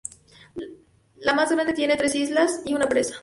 La más grande tiene tres islas y una presa.